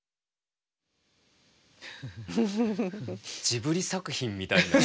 ジブリ作品みたいな。